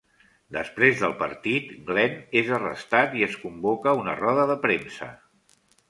Després del partit, Glen és arrestat i es convoca una roda de premsa.